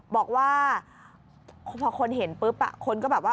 บอกว่าพอคนเห็นปุ๊บคนก็แบบว่า